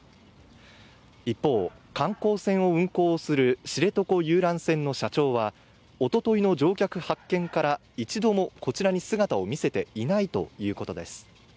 一方、観光船を運航する知床遊覧船の社長はおとといの乗客発見から一度もこちらに姿を見せていないということです。